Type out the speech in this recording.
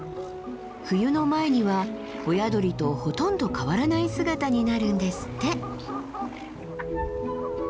冬の前には親鳥とほとんど変わらない姿になるんですって。